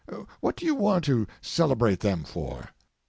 What do you want to celebrate them for?